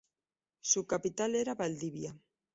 Su capital era Valdivia.